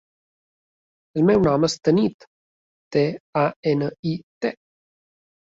El meu nom és Tanit: te, a, ena, i, te.